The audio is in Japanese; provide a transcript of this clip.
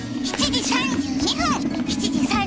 ７時３２分。